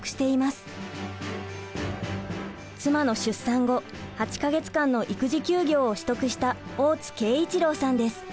妻の出産後８か月間の育児休業を取得した大津慶一郎さんです。